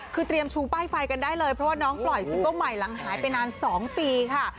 คือเตรียมชูป้ายไฟกันได้เลยเพราะว่าน้องปล่อยซิงเกิ้ลใหม่หลังหายไปนาน๒ปีค่ะ